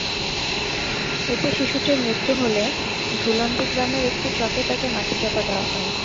এতেশিশুটির মৃত্যু হলে ধুলন্ডী গ্রামের একটি চকে তাকে মাটিচাপা দেওয়া হয়।